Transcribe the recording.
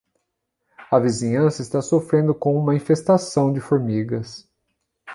A vizinhança está sofrendo com uma infestação de formigas